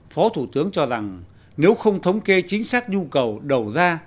phó thủ tướng cho rằng nếu không thống kê chính xác nhu cầu đầu ra